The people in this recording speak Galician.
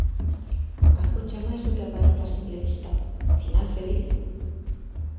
Agocha máis do que aparenta a simple vista: final feliz?